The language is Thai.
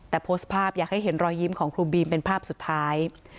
แต่โพสต์ภาพอยากให้เห็นรอยยิ้มของครูบีมเป็นภาพสุดท้าย